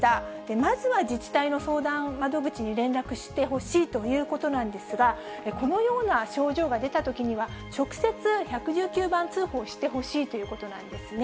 まずは自治体の相談窓口に連絡してほしいということなんですが、このような症状が出たときには直接、１１９番通報してほしいということなんですね。